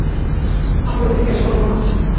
আমি ওকে জিজ্ঞেস করব না।